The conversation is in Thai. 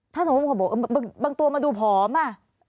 ถ้าสมมุติเขาบอกบางตัวมันดูผอมอ่ะ